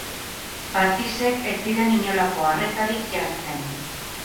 Batisek ez zidan inolako arretarik jartzen.